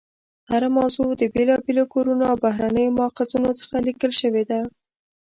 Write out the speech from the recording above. هره موضوع د بېلابېلو کورنیو او بهرنیو ماخذونو څخه لیکل شوې ده.